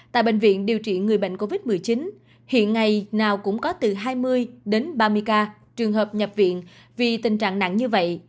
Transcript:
tại bệnh viện điều trị người bệnh covid một mươi chín hiện ngày nào cũng có từ hai mươi đến ba mươi ca trường hợp nhập viện vì tình trạng nặng như vậy